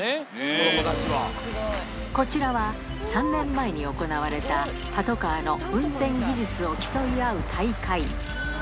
こちらは、３年前に行われたパトカーの運転技術を競い合う大会。